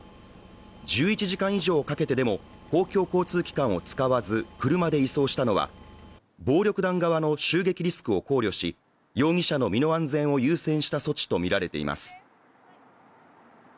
１１時間以上かけてでも公共交通機関を使わず車で移送したのは暴力団側の襲撃リスクを考慮し容疑者の身の安全を優先した措置とみられています。